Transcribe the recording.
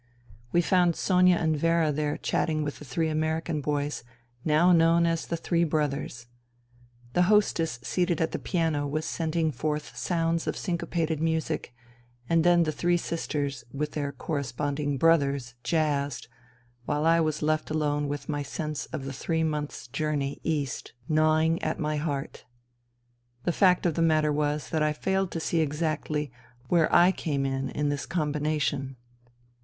We found Sonia and Vera there chatting with the three American boys, now known as the " three brothers." The hostess seated at the piano was sending forth sounds of syncopated music, and then the three sisters with their corresponding " brothers " jazzed, while I was left alone with my sense of the three months' journey east gnawing at my heart, ... The fact of the matter was that I failed to see exactly where / came in in this combination.